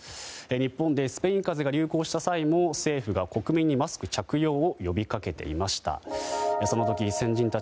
日本でスペイン風邪が流行した際も政府が国民にマスク着用を呼び掛けていました。